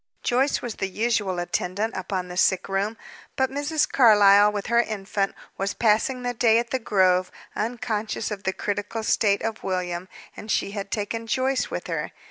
Joyce was the usual attendant upon the sick room; but Mrs. Carlyle, with her infant, was passing the day at the Grove; unconscious of the critical state of William, and she had taken Joyce with her.